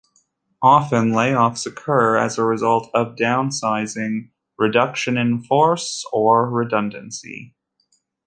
Often, layoffs occur as a result of "downsizing", "reduction in force" or "redundancy".